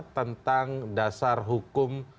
tentang dasar hukum